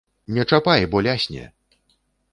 Не чапай, бо лясне!